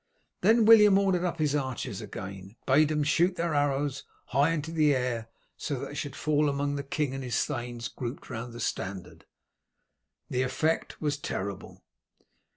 Then William ordered up his archers again, bade them shoot their arrows high into the air, so that they should fall among the king and his thanes grouped round the standard. The effect was terrible.